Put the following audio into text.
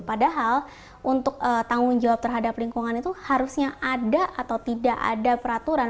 padahal untuk tanggung jawab terhadap lingkungan itu harusnya ada atau tidak ada peraturan